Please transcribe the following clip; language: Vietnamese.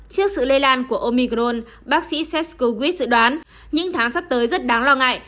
trước sự lây lan của omicron bác sĩ seth kukwit dự đoán những tháng sắp tới rất đáng lo ngại